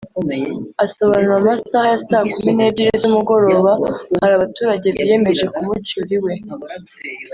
Asobanura mu masaha ya saa kumi n’ebyiri z’umugoroba hari abaturage biyemeje kumucyura iwe